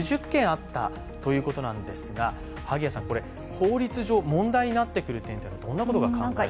法律上問題になってくる点というのはどんなことが考えられますか？